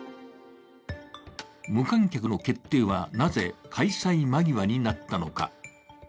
無観客の決定はなぜ開催間際になったのか。